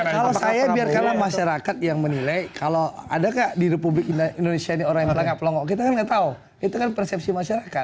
kalau saya biarkanlah masyarakat yang menilai kalau ada nggak di republik indonesia ini orang yang melengok lenggok kita kan nggak tahu itu kan persepsi masyarakat